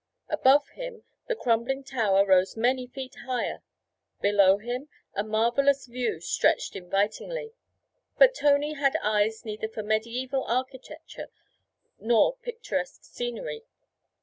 Above him the crumbling tower rose many feet higher, below him a marvellous view stretched invitingly; but Tony had eyes neither for mediæval architecture nor picturesque scenery.